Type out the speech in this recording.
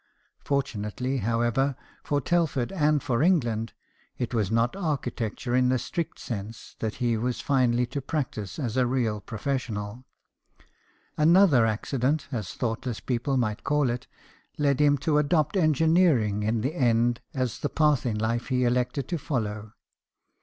Fortunately, however, for Telford and for England, it was not architecture in the strict sense that he was finally to practise as a real profession. Another accident, as thoughtless people might call it, led him to adopt engineering in the end as the path in life he elected to follow.